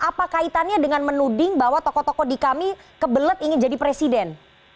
apa kaitannya dengan menuding bahwa tokoh tokoh di kami kebelet ingin jadi presiden